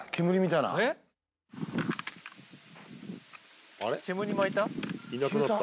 いなくなった。